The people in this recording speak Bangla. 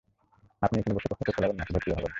আপনি এখানে বসে প্রশ্নোত্তর চালাবেন, নাকি ভর্তিও হবেন?